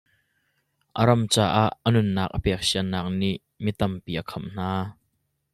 A ram caah a nunnak a pek sian nak nih mi tampi a khamh hna.